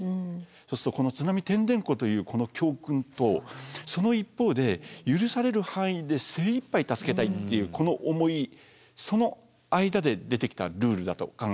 そうするとこの「津波てんでんこ」というこの教訓とその一方で許される範囲で精いっぱい助けたいっていうこの思いその間で出てきたルールだと考えるべきだと思うんですね。